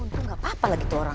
tuh gak apa apa lah gitu orang